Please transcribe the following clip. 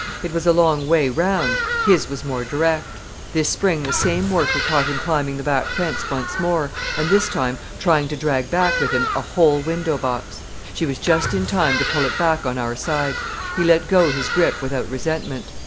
It was a long way round; his was more direct. This spring the same worker caught him climbing the back fence once more, and this time trying to drag back with him a whole window box. She was just in time to pull it back on our side. He let go his grip without resentment.